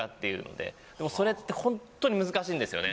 でもそれってホントに難しいんですよね。